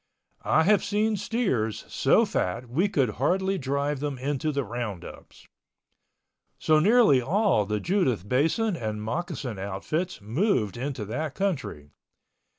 I have seen steers so fat we could hardly drive them into the roundups. So nearly all the Judith Basin and Moccasin outfits moved into that country.